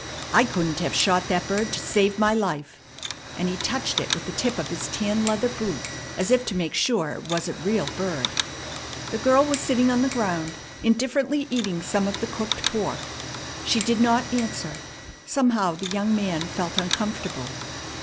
I couldn't have shot that bird to save my life," and he touched it with the tip of his tan leather boot as if to make sure it was a real bird. The girl was sitting on the ground, indifferently eating some of the cooked pork. She did not answer. Somehow the young man felt uncomfortable.